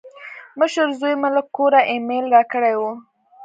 مشر زوی مې له کوره ایمیل راکړی و.